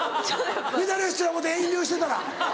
メダリストや思うて遠慮してたら。